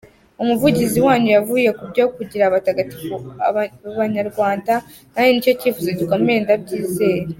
Umuvugizi wanyu yavuze kubyo kugira abatagatifu b’abanyarwanda, nanjye nicyo cyifuzo gikomeye, ndabyizeye.